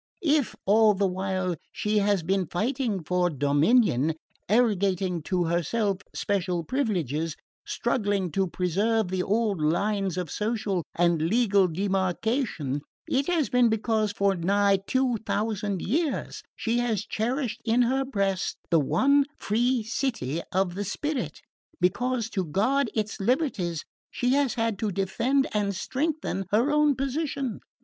If, all the while, she has been fighting for dominion, arrogating to herself special privileges, struggling to preserve the old lines of social and legal demarcation, it has been because for nigh two thousand years she has cherished in her breast the one free city of the spirit, because to guard its liberties she has had to defend and strengthen her own position.